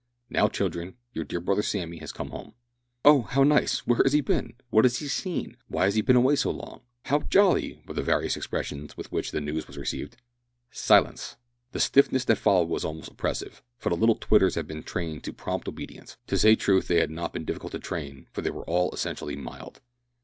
"Now children, your dear brother Sammy has come home." "Oh! how nice! Where has he been? What has he seen? Why has he been away so long? How jolly!" were the various expressions with which the news was received. "Silence." The stillness that followed was almost oppressive, for the little Twitters had been trained to prompt obedience. To say truth they had not been difficult to train, for they were all essentially mild.